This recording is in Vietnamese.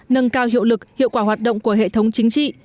nâng cao hiệu lực hiệu quả hoạt động của hệ thống chính trị